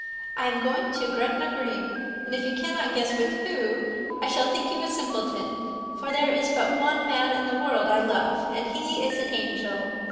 I am going to Gretna Green, and if you cannot guess with who, I shall think you a simpleton, for there is but one man in the world I love, and he is an angel.